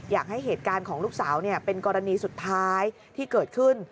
อยากให้เหตุการณ์ของลูกสาวเป็นกรณีสุดท้ายที่เกิดขึ้น